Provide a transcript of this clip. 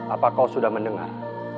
apa kau sudah mendengar